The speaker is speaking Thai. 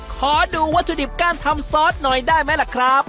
ขอดูวัตถุดิบการทำซอสหน่อยได้ไหมล่ะครับ